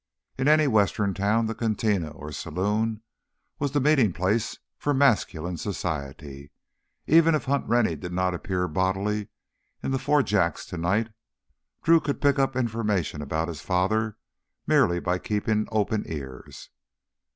In any western town the cantina, or saloon, was the meeting place for masculine society. Even if Hunt Rennie did not appear bodily in the Four Jacks tonight, Drew could pick up information about his father merely by keeping open ears.